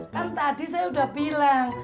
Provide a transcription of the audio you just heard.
kan tadi saya sudah bilang